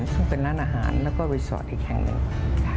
ซึ่งเป็นร้านอาหารแล้วก็รีสอร์ทอีกแห่งหนึ่ง